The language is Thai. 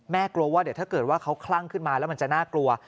กลัวว่าเดี๋ยวถ้าเกิดว่าเขาคลั่งขึ้นมาแล้วมันจะน่ากลัว